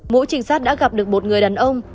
mỗi trinh sát đã gặp được một người đàn ông